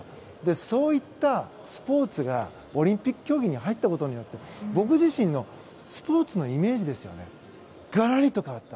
そういったスポーツがオリンピック競技に入ったことによって僕自身のスポーツのイメージがらりと変わった。